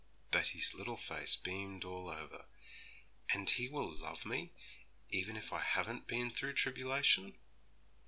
Betty's little face beamed all over. 'And He will love me, even if I haven't been through tribulation?'